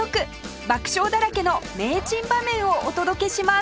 爆笑だらけの名珍場面をお届けします